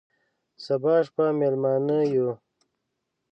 سبا شپه مېلمانه یو،